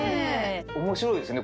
面白いですね。